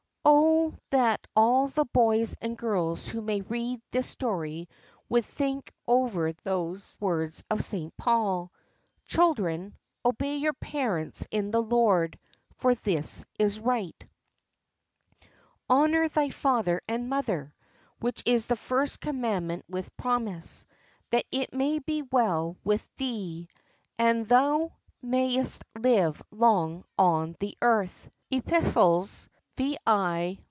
Oh that all the boys and girls who may read this story would think over those words of St Paul, "Children, obey your parents in the Lord; for this is right. Honour thy father and mother, which is the first commandment with promise; that it may be well with thee, and thou mayest live long on the earth," (Eph. vi.